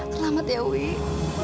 selamat ya wih